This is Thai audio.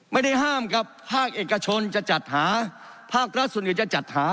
ไม่ได้ห้ามกับภาคเอกชนจะจัดหาภาครัฐส่วนอื่นจะจัดหา